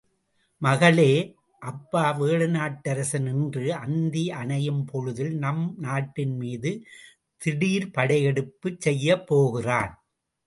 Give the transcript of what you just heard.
மகளே! அப்பா வேழநாட்டரசன் இன்று அந்தி அணையும் பொழுதில் நம் நாட்டின் மீது திடீர்ப் படைஎடுப்புச் செய்யப்போகிறான்!...